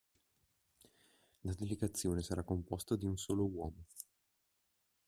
La delegazione sarà composta di un solo uomo.